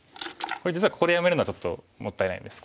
これ実はここでやめるのはちょっともったいないです。